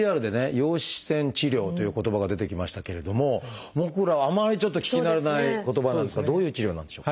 「陽子線治療」という言葉が出てきましたけれども僕らあまりちょっと聞き慣れない言葉なんですがどういう治療なんでしょう？